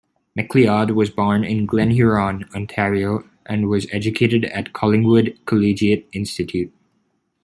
McLeod was born in Glen Huron, Ontario, and was educated at Collingwood Collegiate Institute.